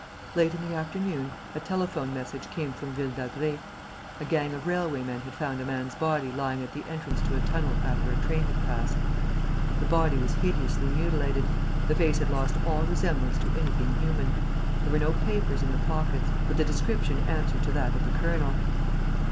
Late in the afternoon, a telephone message came from Ville d'Avray. A gang of railway men had found a man's body lying at the entrance to a tunnel after a train had passed. The body was hideously mutilated; the face had lost all resemblance to anything human. There were no papers in the pockets. But the description answered to that of the colonel.